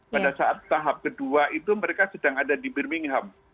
pada saat tahap kedua itu mereka sedang ada di birmingham